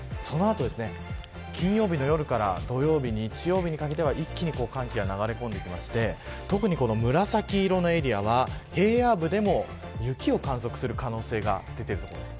その後、金曜日の夜から土曜日日曜日にかけては、一気に寒気が流れ込んできまして特に紫色のエリアは平野部でも雪を観測する可能性が出ている所です。